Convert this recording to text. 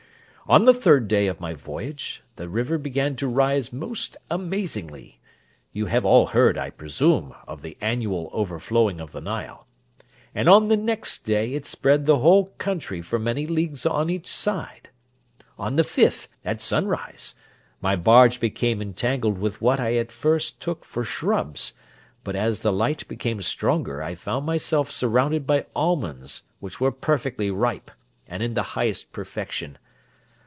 On the third day of my voyage the river began to rise most amazingly (you have all heard, I presume, of the annual overflowing of the Nile), and on the next day it spread the whole country for many leagues on each side! On the fifth, at sunrise, my barge became entangled with what I at first took for shrubs, but as the light became stronger I found myself surrounded by almonds, which were perfectly ripe, and in the highest perfection.